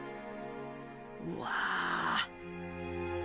うわ。